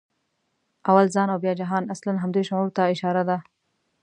«اول ځان او بیا جهان» اصلاً همدې شعور ته اشاره ده.